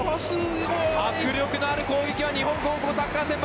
迫力のある攻撃は日本高校サッカー選抜。